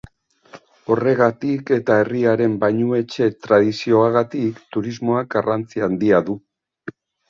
Horregatik eta herriaren bainuetxe tradizioagatik turismoak garrantzi handia du.